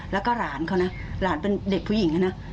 แล้วก็หลานเขานะหลานเป็นเด็กผู้หญิงนะ